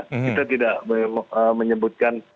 kita tidak menyebutkan